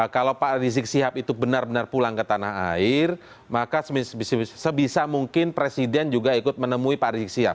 kalau pak rizik sihab itu benar benar pulang ke tanah air maka sebisa mungkin presiden juga ikut menemui pak rizik sihab